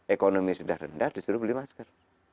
ekonomi sudah rendah disuruh beli masker